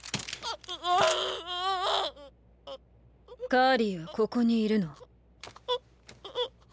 カーリーはここにいるの？